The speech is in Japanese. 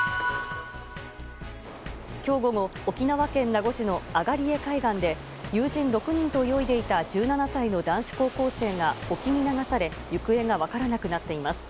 今日午後沖縄県名護市の東江海岸で友人６人と泳いでいた１７歳の男子高校生が沖に流され行方が分からなくなっています。